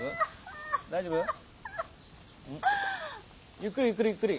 ゆっくりゆっくりゆっくり。